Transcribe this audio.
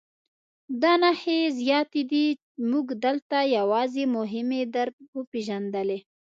دا نښې زیاتې دي موږ دلته یوازې مهمې در وپېژندلې.